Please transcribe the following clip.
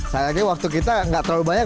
saya yakin waktu kita tidak terlalu banyak